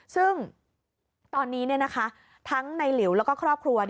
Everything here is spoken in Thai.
ซึ่งตอนนี้ทั้งในหลิวแล้วก็ครอบครัว